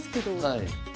はい。